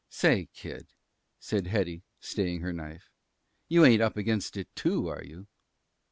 "Say, kid," said Hetty, staying her knife, "you ain't up against it, too, are you?"